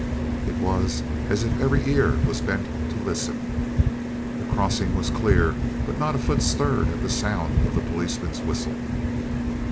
It was as if every ear was bent to listen. The crossing was clear, but not a foot stirred at the sound of the policeman's whistle.